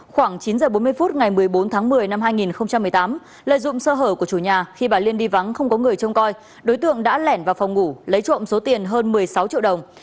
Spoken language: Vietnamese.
khoảng chín h bốn mươi phút ngày một mươi bốn tháng một mươi năm hai nghìn một mươi tám lợi dụng sơ hở của chủ nhà khi bà liên đi vắng không có người trông coi đối tượng đã lẻn vào phòng ngủ lấy trộm số tiền hơn một mươi sáu triệu đồng